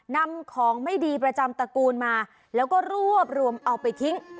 นำของไม่ดีประจำตระกูลมาแล้วก็รวบรวมเอาไปทิ้ง